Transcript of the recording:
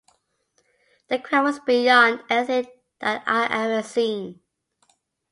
The crowd was beyond anything that I had ever seen.